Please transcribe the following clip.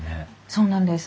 そうなんです。